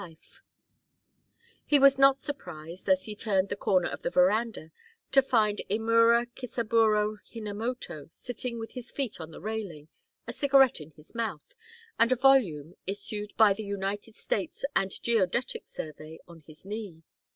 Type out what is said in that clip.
He was not surprised, as he turned the corner of the veranda, to find Imura Kisaburo Hinamoto sitting with his feet on the railing, a cigarette in his mouth, and a volume, issued by the United States Coast and Geodetic Survey, on his knee.